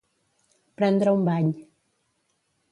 Prendre un bany.